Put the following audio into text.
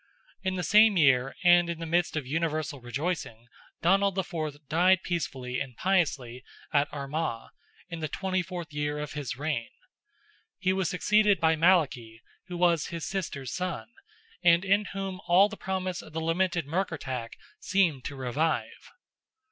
In the same year, and in the midst of universal rejoicing, Donald IV. died peacefully and piously at Armagh, in the 24th year of his reign. He was succeeded by Malachy, who was his sister's son, and in whom all the promise of the lamented Murkertach seemed to revive.